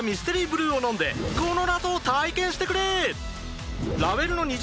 ブルーを飲んでこの謎を体験してくれ！